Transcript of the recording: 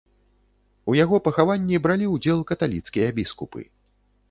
У яго пахаванні бралі ўдзел каталіцкія біскупы.